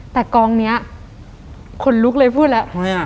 แต่กองนี้คนลุกเลยพูดแล้ว